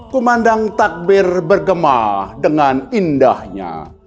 kuman dan takbir bergema dengan indahnya